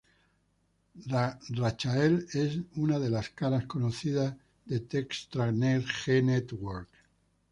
Rachael es una de las caras conocidas de "Telstra Next G network".